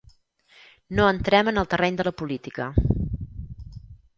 No entrem en el terreny de la política.